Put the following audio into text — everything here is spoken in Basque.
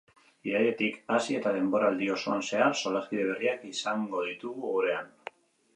Irailetik hasi eta denboraldi osoan zehar, solaskide berriak izango ditugu gurean.